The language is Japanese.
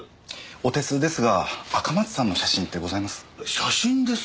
お手数ですが赤松さんの写真ってございます？